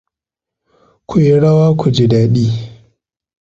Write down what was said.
Ku yi rawa ku ji dadi.